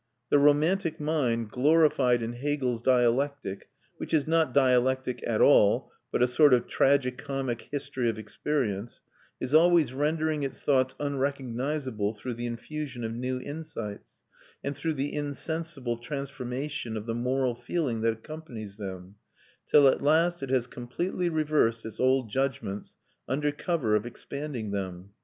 The romantic mind, glorified in Hegel's dialectic (which is not dialectic at all, but a sort of tragi comic history of experience), is always rendering its thoughts unrecognisable through the infusion of new insights, and through the insensible transformation of the moral feeling that accompanies them, till at last it has completely reversed its old judgments under cover of expanding them.